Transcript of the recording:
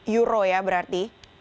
euro ya berarti